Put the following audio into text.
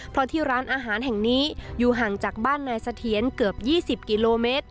เพราะที่ร้านอาหารแห่งนี้อยู่ห่างจากบ้านนายเสถียรเกือบ๒๐กิโลเมตร